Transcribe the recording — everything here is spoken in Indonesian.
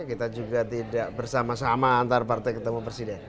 kita juga tidak bersama sama antar partai ketemu presiden